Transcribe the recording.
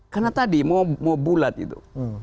karena tadi mau bulat gitu